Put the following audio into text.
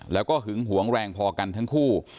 แล้วก็หึงหวงแรงพอกันทั้งคู่